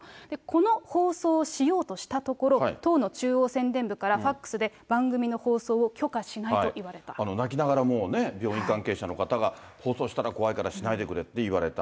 この放送をしようとしたところ、党の中央宣伝部からファックスで番組の放送を許可しないといわれ泣きながらもうね、病院関係者の方が放送したら怖いから、しないでくれって言われた。